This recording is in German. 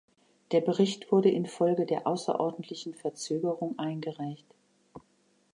Der Bericht wurde infolge der außerordentlichen Verzögerung eingereicht.